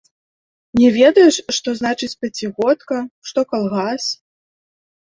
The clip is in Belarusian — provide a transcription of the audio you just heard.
Не ведаеш, што значыць пяцігодка, што калгас?